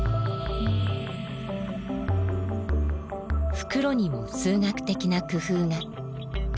ふくろにも数学的な工夫が。